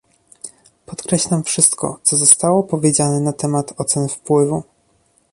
Podkreślam wszystko, co zostało powiedziane na temat ocen wpływu